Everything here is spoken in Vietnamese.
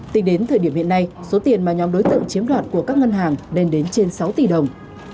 tính đến thời điểm hiện nay số tiền mà nhóm đối tượng chiếm đoạt của các ngân hàng lên đến trên sáu tỷ đồng